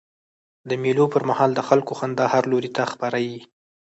د مېلو پر مهال د خلکو خندا هر لور ته خپره يي.